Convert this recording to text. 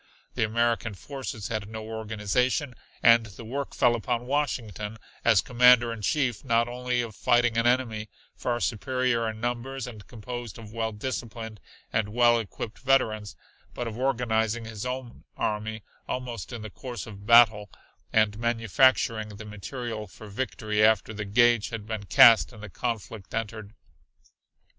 The American forces had no organization, and the work fell upon Washington, as Commander in Chief, not only of fighting an enemy far superior in numbers and composed of well disciplined and well equipped veterans, but of organizing his own army almost in the course of battle, and manufacturing the material for victory after the gage had been cast and the conflict entered.